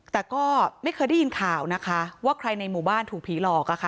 แต่ก็ไม่เคยได้ยินข่าวนะคะว่าใครในหมู่บ้านถูกผีหลอกอะค่ะ